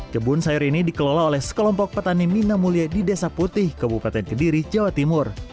kebun sayur ini dikelola oleh sekelompok petani mina mulia di desa putih kabupaten kediri jawa timur